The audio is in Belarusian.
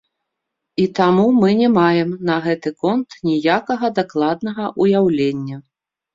І таму мы не маем на гэты конт ніякага дакладнага ўяўлення.